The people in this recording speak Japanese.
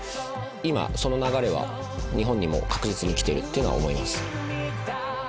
今その流れは日本にも確実に来ているとは思います。